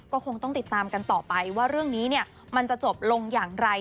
ก็คงต้องติดตามกันต่อไปว่าเรื่องนี้มันจะจบลงอย่างไร